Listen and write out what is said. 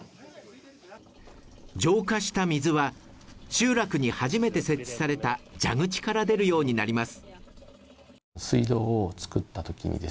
浄化した水は、集落に初めて設置された蛇口から出るようになります。